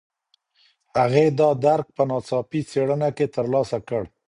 هغې دا درک په ناڅاپي څېړنه کې ترلاسه کړ.